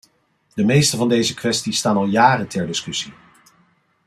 De meeste van deze kwesties staan al jaren ter discussie.